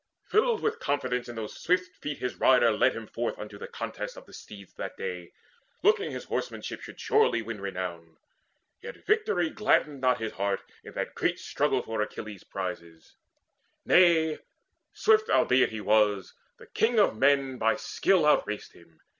Filled with confidence In those swift feet his rider led him forth Unto the contest of the steeds that day, Looking his horsemanship should surely win Renown: yet victory gladdened not his heart In that great struggle for Achilles' prizes; Nay, swift albeit he was, the King of Men By skill outraced him.